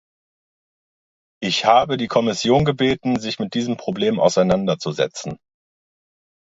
Ich habe die Kommission gebeten, sich mit diesem Problem auseinander zu setzen.